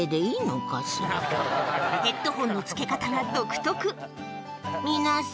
ヘッドホンのつけ方が独特何だか。